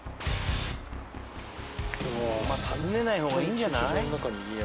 訪ねない方がいいんじゃない？